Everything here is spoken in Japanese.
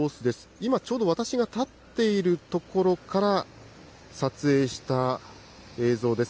今、ちょうど私が立っている所から撮影した映像です。